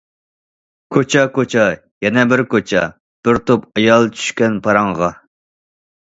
كوچا- كوچا- يەنە بىر كوچا، بىر توپ ئايال چۈشكەن پاراڭغا.